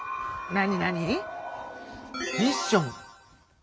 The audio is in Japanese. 何？